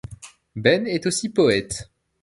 Ben est aussi poète.